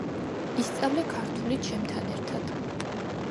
ისწავლე ქართული ჩემთან ერთად